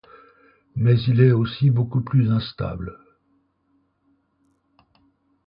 Mais il est aussi beaucoup plus instable.